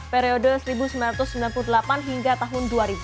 periode seribu sembilan ratus sembilan puluh delapan hingga tahun dua ribu dua